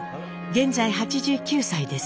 現在８９歳です。